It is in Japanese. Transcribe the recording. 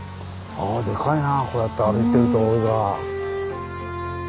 あでかいなこうやって歩いてると大井川。